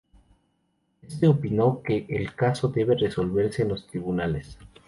Este opinó que el caso debe resolverse en los tribunales.